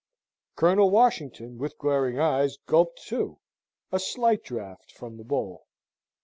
Colonel Washington, with glaring eyes, gulped, too, a slight draught from the bowl.